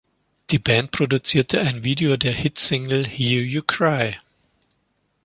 Die Band produzierte ein Video der Hitsingle "Hear You Cry".